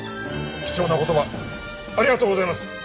貴重なお言葉ありがとうございます！